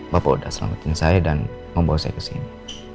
bapak udah selamatin saya dan membawa saya kesini